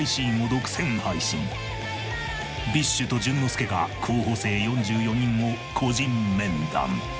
ＢｉＳＨと淳之介が候補生４４人を個人面談